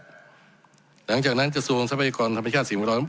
หลังจากนั้นกระทรวงทรัพยากรธรรมชาติสิ่งแวดล้อม